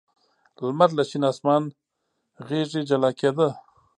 لمر له شین اسمان غېږې جلا کېده.